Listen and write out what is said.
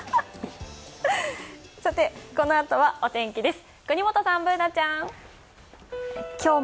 このあとはお天気です。